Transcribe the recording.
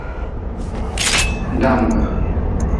Dambe.